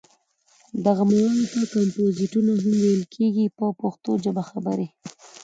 دغو موادو ته کمپوزېټونه هم ویل کېږي په پښتو ژبه خبرې.